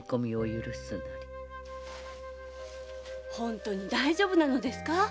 本当に大丈夫なのですか？